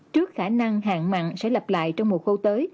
trước khả năng hạn mặn sẽ lập lại trong mùa khô